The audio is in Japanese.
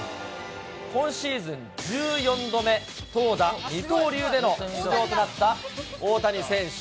今シーズン１４度目、投打二刀流での出場となった大谷選手。